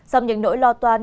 xong những nỗi lo toan